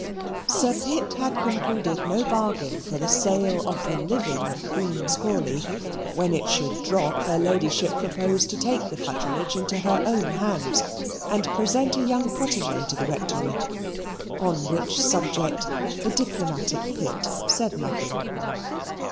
Sir Pitt had concluded no bargain for the sale of the living of Queen's Crawley; when it should drop, her Ladyship proposed to take the patronage into her own hands and present a young protege to the Rectory, on which subject the diplomatic Pitt said nothing.